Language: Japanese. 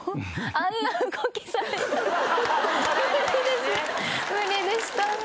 無理でした。